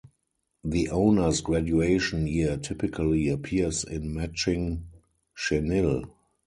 The owner's graduation year typically appears in matching chenille.